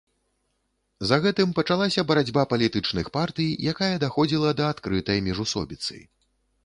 За гэтым пачалася барацьба палітычных партый, якая даходзіла да адкрытай міжусобіцы.